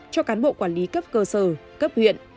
cho cán bộ quản lý cấp cơ sở cấp huyện